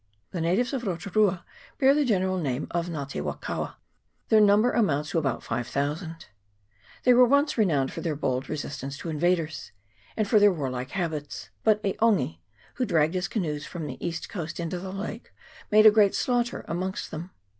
The natives of Rotu rua bear the general name of Nga te Wakaua ; their number amounts to about 5000. They were once renowned for their bold resistance to invaders, and for their warlike habits ; but E'Ongi, who dragged his canoes from the east coast into the lake, made a great slaughter amongst them.